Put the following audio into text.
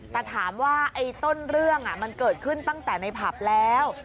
แต่ถามว่าไอ้ต้นเรื่องมันเกิดขึ้นตั้งแต่ในผับแล้ว